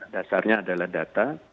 dasarnya adalah data